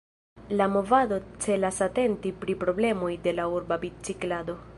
La movado celas atenti pri problemoj de la urba biciklado.